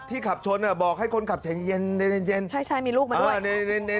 ที่ขับชนบอกให้คนขับเย็นใช่มีลูกมาด้วย